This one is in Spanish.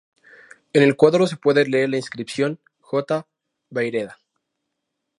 En el cuadro se puede leer la inscripción J. Vayreda.